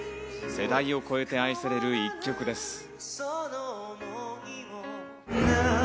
世代を越えて愛される１曲です。